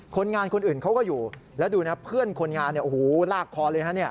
คนงานคนอื่นเขาก็อยู่แล้วดูนะครับเพื่อนคนงานลากคอเลย